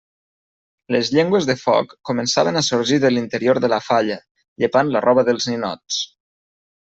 Les llengües de foc començaven a sorgir de l'interior de la falla, llepant la roba dels ninots.